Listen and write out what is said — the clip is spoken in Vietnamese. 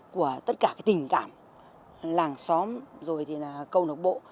của tất cả cái tình cảm làng xóm rồi thì là câu lạc bộ